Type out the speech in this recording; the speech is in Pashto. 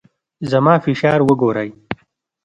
زما فشار وګورئ.